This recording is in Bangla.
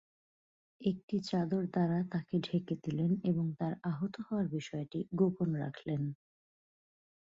একটি চাদর দ্বারা তাঁকে ঢেকে দিলেন এবং তাঁর আহত হওয়ার বিষয়টি গোপন রাখলেন।